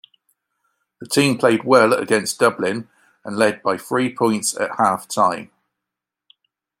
The team played well against Dublin and led by three points at half-time.